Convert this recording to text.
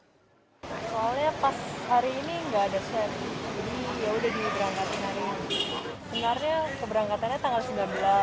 soalnya pas hari ini nggak ada swab jadi yaudah nih berangkatin hari ini